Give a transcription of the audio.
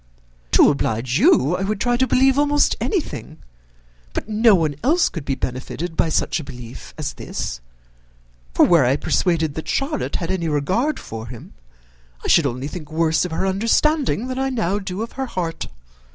"To oblige you, I would try to believe almost anything, but no one else could be benefited by such a belief as this; for were I persuaded that Charlotte had any regard for him, I should only think worse of her understanding than I now do of her heart.